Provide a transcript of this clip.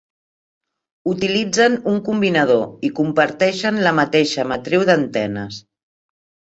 Utilitzen un combinador i comparteixen la mateixa matriu d'antenes.